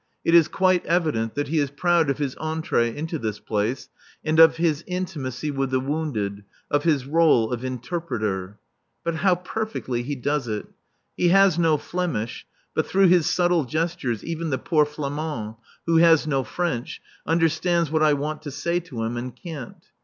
It is quite evident that he is proud of his entrée into this place and of his intimacy with the wounded, of his rôle of interpreter. But how perfectly he does it! He has no Flemish, but through his subtle gestures even the poor Flamand, who has no French, understands what I want to say to him and can't.